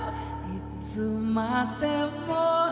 「いつまでも」